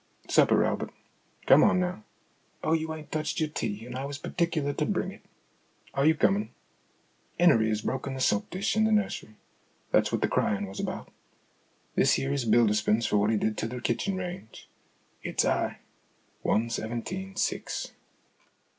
" Supper, Albert ; come on now. Oh, you ain't touched your tea, and I was particular to bring it. Are you comin' ? 'Ennery 'as broke the soap dish in the nursery ; that's what the cryin' was about. This here is Bilderspin's for what he did to the kitchen range. It's high one seventeen six."